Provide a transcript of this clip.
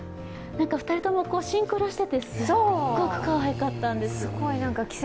２人ともシンクロしていて、すっごくかわいかったんです。